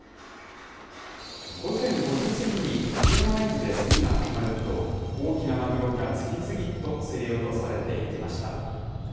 午前５時過ぎに、鐘の合図で競りが始まると、大きなマグロが次々と競り落とされていきました。